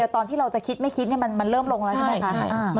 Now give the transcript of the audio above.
ตอนที่เราจะคิดไม่คิดมันเริ่มลงแล้วใช่ไหมคะ